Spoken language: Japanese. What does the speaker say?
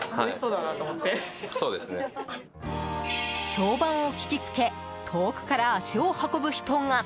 評判を聞きつけ遠くから足を運ぶ人が。